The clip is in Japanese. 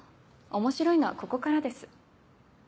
面白いのはここからです。